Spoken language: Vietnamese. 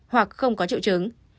hoặc không có triệu chứng